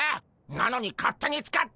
なのに勝手に使って！